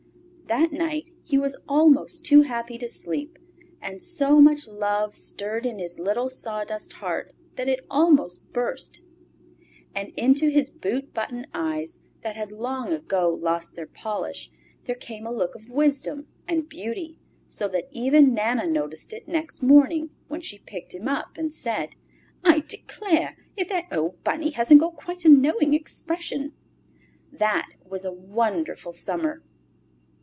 That night he was almost too happy to sleep, and so much love stirred in his little sawdust heart that it almost burst. And into his boot button eyes, that had long ago lost their polish, there came a look of wisdom and beauty, so that even Nana noticed it next morning when she picked him up, and said, "I declare if that old Bunny hasn't got quite a knowing expression!" That was a wonderful Summer!